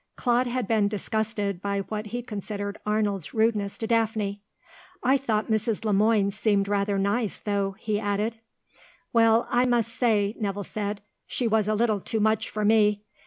Claude had been disgusted by what he considered Arnold's rudeness to Daphne. "I thought Mrs. Le Moine seemed rather nice, though," he added. "Well, I must say," Nevill said, "she was a little too much for me.